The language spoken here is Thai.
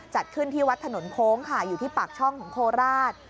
จัดขึ้นที่วัดถนนโค้งค่ะอยู่ที่ปากช่องของโคราช